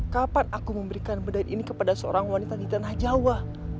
kapan aku memberikan bedah ini kepada seorang wanita di tanah jawa